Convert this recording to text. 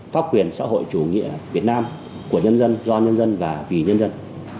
pháp quyền xã hội chủ nghĩa việt nam của nhân dân do nhân dân và vì nhân dân